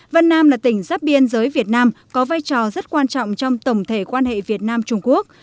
vân nam là tỉnh giáp biên giới việt nam có vai trò rất quan trọng trong tổng thể quan hệ việt nam trung quốc